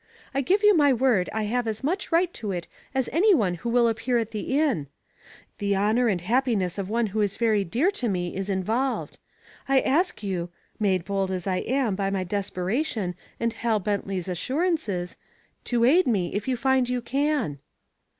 I give you my word I have as much right to it as any one who will appear at the inn. The honor and happiness of one who is very dear to me is involved. I ask you made bold as I am by my desperation and Hal Bentley's assurances to aid me if you find you can."